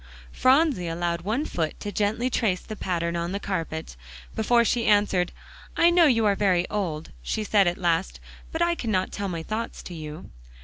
Phronsie allowed one foot to gently trace the pattern on the carpet before she answered. "I know you are very old," she said at last, "but I cannot tell my thoughts to you."